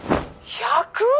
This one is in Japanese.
「１００！？」